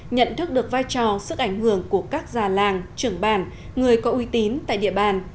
nhận thức được vai trò sức ảnh hưởng của các già làng trưởng bản người có uy tín tại địa bàn